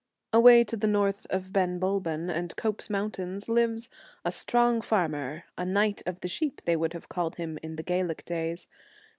Away to the north of Ben Bulben and Cope's mountain lives 'a strong farmer,' a knight of the sheep they would have called him in the Gaelic days.